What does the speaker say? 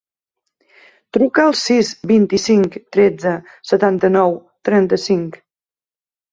Truca al sis, vint-i-cinc, tretze, setanta-nou, trenta-cinc.